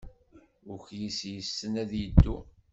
Ukyis yessen ad yeddu.